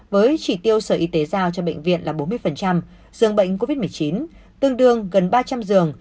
với chỉ tiêu sở y tế giao cho bệnh viện là bốn mươi giường bệnh covid một mươi chín tương đương gần ba trăm linh giường